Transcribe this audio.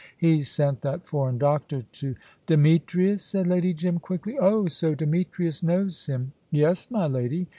He sent that foreign doctor to " "Demetrius," said Lady Jim, quickly. "Oh, so Demetrius knows him?" "Yes, my lady.